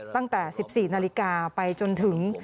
ตั้งแต่๑๔นาฬิกาไปจนถึง